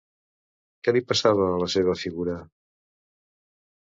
Què li passava a la seva figura?